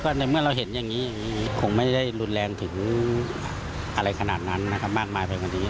ในเมื่อเราเห็นอย่างนี้อย่างนี้คงไม่ได้รุนแรงถึงอะไรขนาดนั้นนะครับมากมายไปกว่านี้